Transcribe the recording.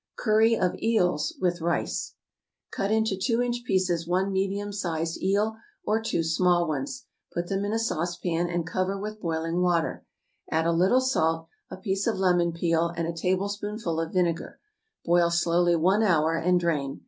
=Curry of Eels, with Rice.= Cut into two inch pieces one medium sized eel or two small ones; put them in a saucepan, and cover with boiling water; add a little salt, a piece of lemon peel, and a tablespoonful of vinegar; boil slowly one hour, and drain.